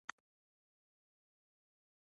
د علي احمد کهزاد د غربت کیسه څوک اورېدای شي.